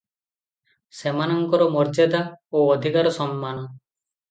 ସେମାନଙ୍କର ମର୍ଯ୍ୟାଦା ଓ ଅଧିକାର ସମାନ ।